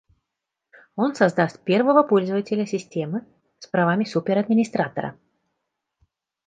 Он создаст первого пользователя системы с правами супер-администратора